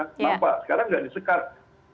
kenapa sekarang tidak disekat